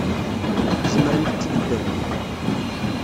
Tzemremt ad tbeddemt?